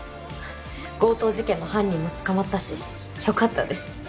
強盗事件の犯人も捕まったし良かったです。